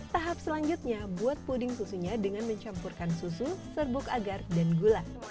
tahap selanjutnya buat puding susunya dengan mencampurkan susu serbuk agar dan gula